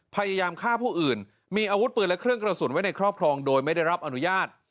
พยายามฆ่าผู้อื่นมีอาวุธปืนและเครื่องกระสุนไว้ในครอบครองโดยไม่ได้รับอนุญาต